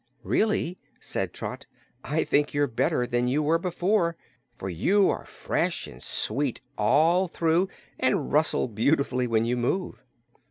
"Really," said Trot, "I think you're better than you were before, for you are fresh and sweet all through and rustle beautifully when you move."